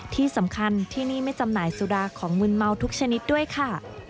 ที่สำคัญที่นี่ไม่จำหน่ายสุดาของมืนเมาทุกชนิดด้วยค่ะ